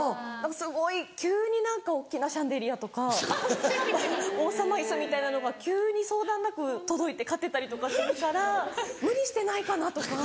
すごい急に何か大っきなシャンデリアとか王様椅子みたいなのが急に相談なく届いて買ってたりとかするから無理してないかな？とか。